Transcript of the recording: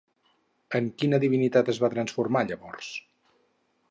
En quina divinitat es va transformar llavors?